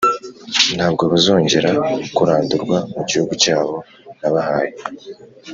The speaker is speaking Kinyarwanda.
ntabwo bazongera kurandurwa mu gihugu cyabo nabahaye.